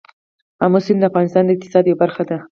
آمو سیند د افغانستان د اقتصاد یوه برخه ده.